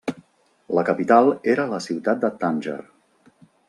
La capital era la ciutat de Tànger.